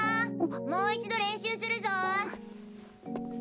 もう一度練習するぞ！